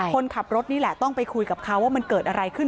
คนขับรถนี่แหละต้องไปคุยกับเขาว่ามันเกิดอะไรขึ้น